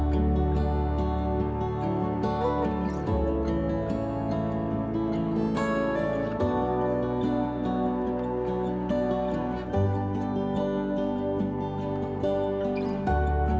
yang dod resisten dan administrasi tuh persel conversations dengan bagian jaki